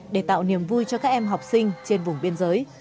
để tạo niềm vui cho các em học sinh trên vùng biên giới